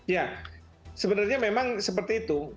ya sebenarnya memang seperti itu